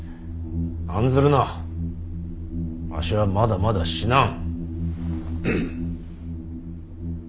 案ずるなわしはまだまだ死なん。